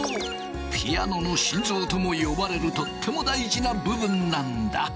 ピアノの心臓とも呼ばれるとっても大事な部分なんだ。